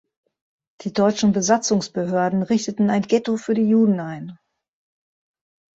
Die deutschen Besatzungsbehörden richteten ein Ghetto für die Juden ein.